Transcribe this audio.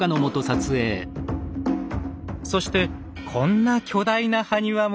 そしてこんな巨大な埴輪も。